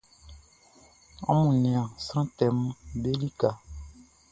Amun nian sran tɛʼm be lika.